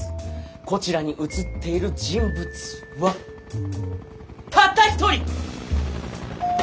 こちらに写っている人物はたった一人！